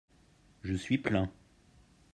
Je suis plein.